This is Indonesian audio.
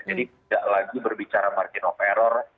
jadi tidak lagi berbicara margin of error